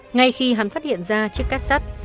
ngay khi hắn phát hiện ra chiếc cát sắt